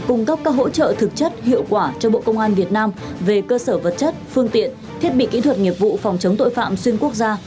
cung cấp các hỗ trợ thực chất hiệu quả cho bộ công an việt nam về cơ sở vật chất phương tiện thiết bị kỹ thuật nghiệp vụ phòng chống tội phạm xuyên quốc gia